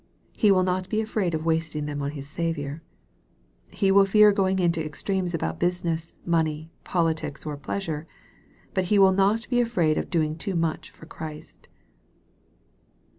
He will not be afraid of wasting them on his Saviour. He will fear going into extremes about business, money, politics, or pleasure ; but he will not be afraid of doing too much for Christ.